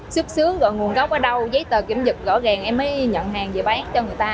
xuất xứ gọi nguồn gốc ở đâu giấy tờ kiểm dịch rõ ràng em mới nhận hàng về bán cho người ta